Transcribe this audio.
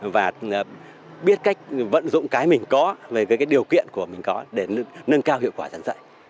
và biết cách vận dụng cái mình có về cái điều kiện của mình có để nâng cao hiệu quả giảng dạy